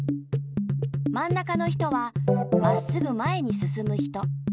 まん中の人はまっすぐ前にすすむ人。